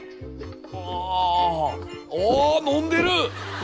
ああ飲んでる。